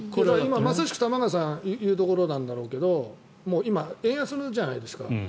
まさしく、玉川さんが言うところなんだろうけど今、円安じゃないですか。